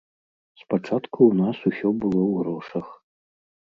Спачатку ў нас усё было ў грошах.